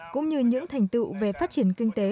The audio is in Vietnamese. cũng như những thành tựu về phát triển kinh tế